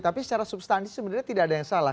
tapi secara substansi sebenarnya tidak ada yang salah